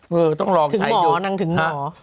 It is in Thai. เสือต้องลองใช้อยู่ถึงหมอนางถึงหมอ